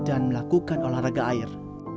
dan melakukan olahraga air